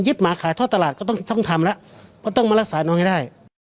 ยึดหมาขายทั่วตลาดก็ต้องต้องทำละก็ต้องมารักษาน้องให้ได้